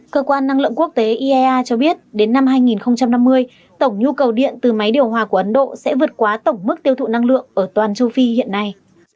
cơ quan năng lượng quốc tế iea cho biết đến năm hai nghìn năm mươi tổng nhu cầu điện từ máy điều hòa của ấn độ sẽ vượt quá tổng mức tiêu thụ năng lượng ở toàn châu phi hiện nay